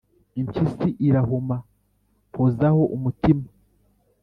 Impyisi irahuma hozaho umutima.